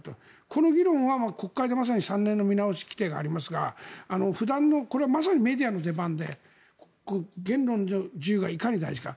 この議論は国会でまさに３年の見直し規定がありますが普段のまさにメディアの出番で言論の自由がいかに大事か。